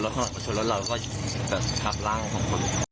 แล้วเขามาชวนรถเราก็ชับร่าง๒คน